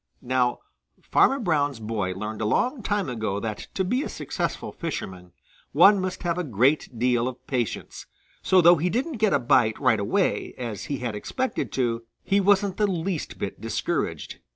Now Farmer Brown's boy learned a long time ago that to be a successful fisherman one must have a great deal of patience, so though he didn't get a bite right away as he had expected to, he wasn't the least bit discouraged.